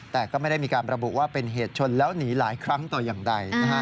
แต่ก็ไม่ได้มีการระบุว่าเป็นเหตุชนแล้วหนีหลายครั้งแต่อย่างใด